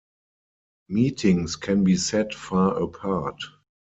Meetings can be set far apart.